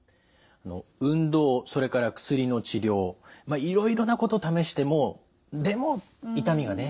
運動それから薬の治療いろいろなこと試してもでも痛みがね